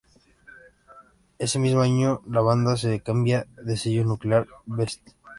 Ese mismo año la banda se cambia de sello a Nuclear Blast.